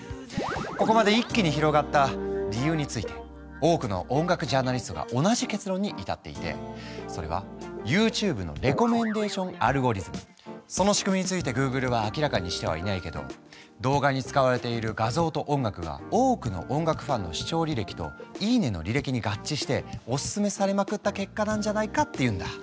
ここまで一気に広がった理由について多くの音楽ジャーナリストが同じ結論に至っていてそれはＹｏｕＴｕｂｅのその仕組みについてグーグルは明らかにしてはいないけど動画に使われている画像と音楽が多くの音楽ファンの視聴履歴といいねの履歴に合致しておすすめされまくった結果なんじゃないかっていうんだ。